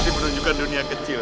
jadi menunjukan dunia kecil ya